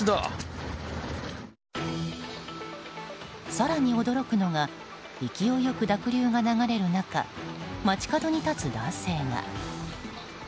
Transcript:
更に驚くのが勢いよく濁流が流れる中街角に立つ男性が。